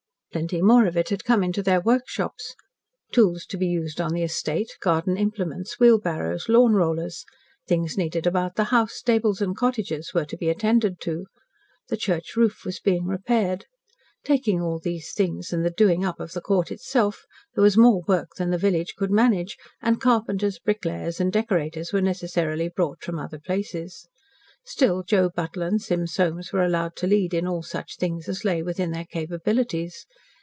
Plenty more of it had come into their work shops. Tools to be used on the estate, garden implements, wheelbarrows, lawn rollers, things needed about the house, stables, and cottages, were to be attended to. The church roof was being repaired. Taking all these things and the "doing up" of the Court itself, there was more work than the village could manage, and carpenters, bricklayers, and decorators were necessarily brought from other places. Still Joe Buttle and Sim Soames were allowed to lead in all such things as lay within their capabilities.